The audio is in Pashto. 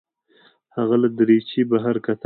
هغه له دریچې بهر کتل.